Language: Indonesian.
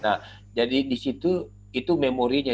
nah jadi di situ itu memorinya